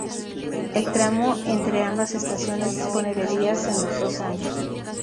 El tramo entre ambas estaciones dispone de vías en los dos anchos.